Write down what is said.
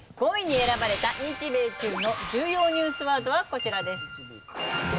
５位に選ばれた日米中の重要ニュースワードはこちらです。